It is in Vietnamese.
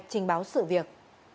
trình báo sự việc